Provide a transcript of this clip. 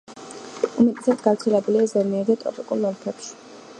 უმეტესად გავრცელებულია ზომიერ და ტროპიკულ ოლქებში.